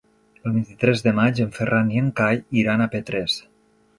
El vint-i-tres de maig en Ferran i en Cai iran a Petrés.